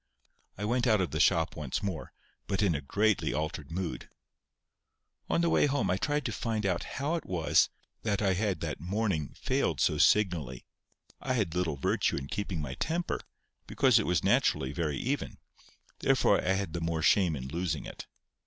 I went out of the shop once more, but in a greatly altered mood. On the way home, I tried to find out how it was that I had that morning failed so signally. I had little virtue in keeping my temper, because it was naturally very even; therefore I had the more shame in losing it.